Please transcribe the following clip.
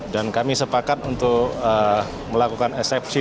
dan kami sepakat untuk melakukan eksepsi